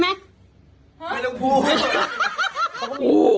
ไม่ต้องพูด